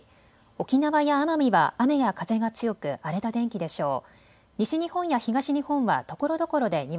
沖縄や奄美は雨や風が強く荒れた天気でしょう。